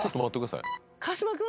川島君？